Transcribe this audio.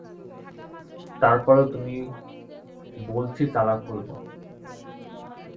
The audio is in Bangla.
তার পরেও তুমি বলছি তালা খুলব।